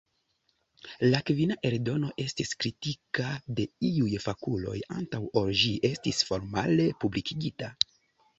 La kvina eldono estis kritikita de iuj fakuloj antaŭ ol ĝi estis formale publikigita.